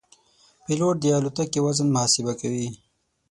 پیلوټ د الوتکې وزن محاسبه کوي.